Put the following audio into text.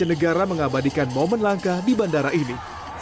negara mengabadikan momen langka di bandara ini